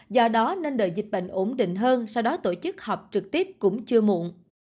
do đó nên đợi dịch bệnh ổn định hơn sau đó tổ chức học trực tiếp cũng chưa muộn